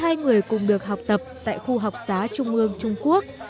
hai người cùng được học tập tại khu học xá trung ương trung quốc